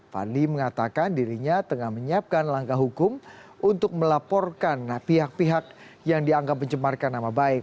fadli mengatakan dirinya tengah menyiapkan langkah hukum untuk melaporkan pihak pihak yang dianggap mencemarkan nama baik